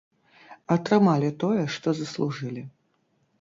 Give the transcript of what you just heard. Атрымалі тое, што заслужылі.